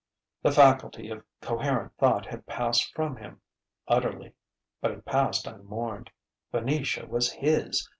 The faculty of coherent thought had passed from him utterly, but it passed unmourned: Venetia was his!